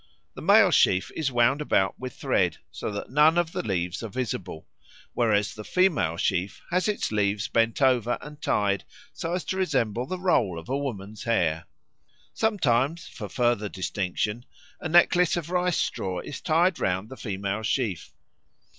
The male sheaf is wound about with thread so that none of the leaves are visible, whereas the female sheaf has its leaves bent over and tied so as to resemble the roll of a woman's hair. Sometimes, for further distinction, a necklace of rice straw is tied round the female sheaf.